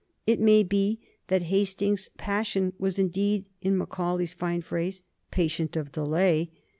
It may be that Hastings's passion was indeed, in Macaulay's fine phrase, "patient of delay."